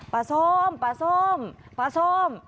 ส้มปลาส้มปลาส้ม